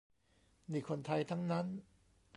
นี่คนไทยทั้งนั้น